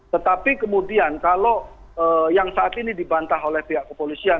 tetapi kemudian kalau yang saat ini dibantah oleh pihak kepolisian